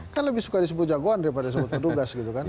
kan lebih suka disebut jagoan daripada sebut petugas